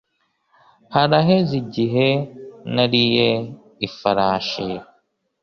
Haraheze igihe ntariye ifarashi.